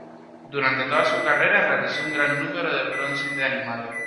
Durante toda su carrera realizó un gran número de bronces de animales.